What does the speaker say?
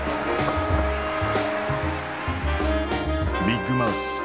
「ビッグマウス」。